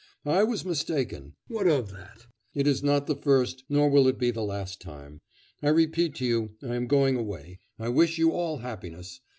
I was mistaken. What of that? It is not the first, nor will it be the last time. I repeat to you, I am going away. I wish you all happiness.